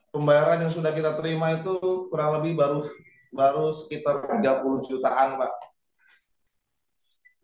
pembayaran yang sudah kita terima itu kurang lebih baru sekitar tiga puluh jutaan pak